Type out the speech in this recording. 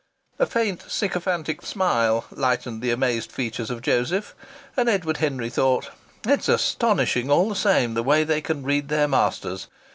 A faint sycophantic smile lightened the amazed features of Joseph. And Edward Henry thought: "It's astonishing, all the same, the way they can read their masters.